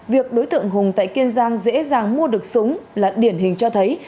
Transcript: việc đối tượng hùng tại kiên giang dễ dàng mua được súng là điển hình cho thấy